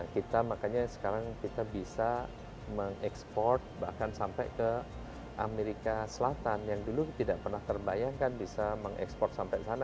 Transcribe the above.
kita makanya sekarang kita bisa mengekspor bahkan sampai ke amerika selatan yang dulu tidak pernah terbayangkan bisa mengekspor sampai sana